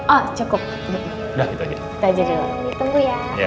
ah cukup udah itu aja